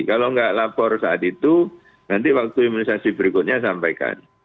kalau nggak lapor saat itu nanti waktu imunisasi berikutnya sampaikan